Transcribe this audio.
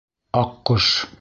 Аҡҡош.